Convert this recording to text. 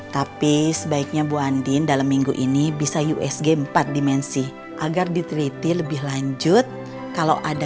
tapi sebaiknya bu andin dalam minggu ini bisa usg empat dimensi agar diteliti lebih lanjut kalau ada